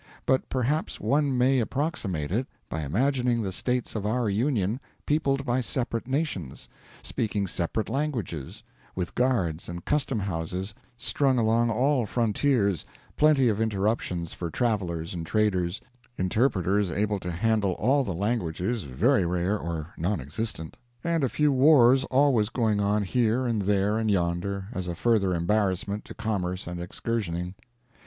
But perhaps one may approximate it by imagining the States of our Union peopled by separate nations, speaking separate languages, with guards and custom houses strung along all frontiers, plenty of interruptions for travelers and traders, interpreters able to handle all the languages very rare or non existent, and a few wars always going on here and there and yonder as a further embarrassment to commerce and excursioning.